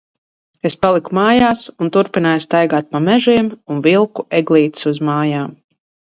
Es paliku mājās un turpināju staigāt pa mežiem un vilku eglītes uz mājām.